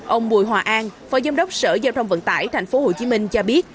ông bùi hòa an phó giám đốc sở giao thông vận tải thành phố hồ chí minh cho biết